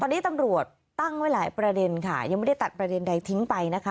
ตอนนี้ตำรวจตั้งไว้หลายประเด็นค่ะยังไม่ได้ตัดประเด็นใดทิ้งไปนะคะ